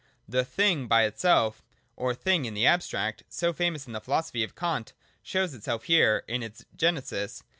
The ' thing by itself (or thing in the abstracf), so famous in the philosophy of Kant, shows itself here in its genesis.